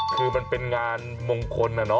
คือเป็นงานมงคลนะ